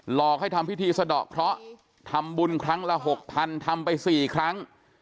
หลอกให้ทำพิธีสะดอกเคราะห์ทำบุญครั้งละหกพันทำไป๔ครั้ง